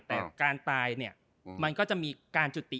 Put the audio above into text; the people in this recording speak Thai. แต่การตายเนี่ยมันก็จะมีการจุดติด